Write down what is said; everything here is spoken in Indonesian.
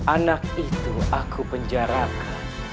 anak itu aku penjarakan